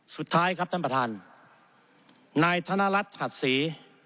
สุดท้ายครับท่านประธานนายธนรัฐถัดศรี